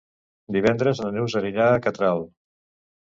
Divendres na Neus anirà a Catral.